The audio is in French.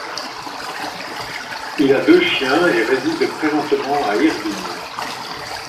Il a deux chiens et réside présentement à Irvine.